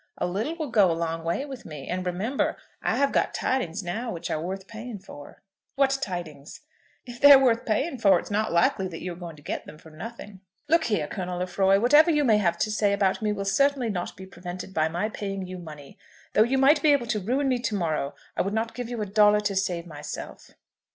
"A little will go a long way with me; and remember, I have got tidings now which are worth paying for." "What tidings?" "If they're worth paying for, it's not likely that you are going to get them for nothing." "Look here, Colonel Lefroy; whatever you may have to say about me will certainly not be prevented by my paying you money. Though you might be able to ruin me to morrow I would not give you a dollar to save myself."